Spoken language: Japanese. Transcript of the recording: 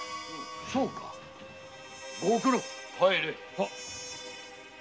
そうかご苦労入れ。